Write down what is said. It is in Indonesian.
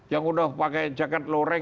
yang udah pakai jaket loreng